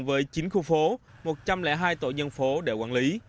với chín khu phố một trăm linh hai tổ nhân phố để quản lý